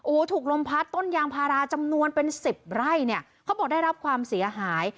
โอ้โหถูกลมพัดต้นยางพาราจำนวนเป็นสิบไร่เนี่ยเขาบอกได้รับความเสียหาย